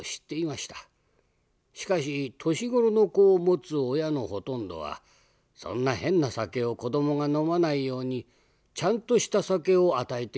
しかし年頃の子をもつ親のほとんどはそんな変な酒を子どもが飲まないようにちゃんとした酒を与えていました。